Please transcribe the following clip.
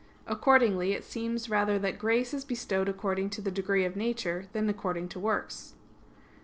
Accordingly it seems rather that grace is bestowed according to degree of nature than according to works.